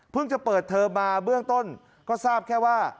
จะเปิดเทอมมาเบื้องต้นก็ทราบแค่ว่า